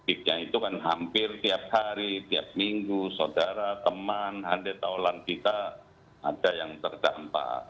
iknya itu kan hampir tiap hari tiap minggu saudara teman hande taulan kita ada yang terdampak